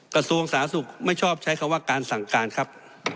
กระทรวงสาธารณสุขไม่ชอบใช้คำว่าการสั่งการครับ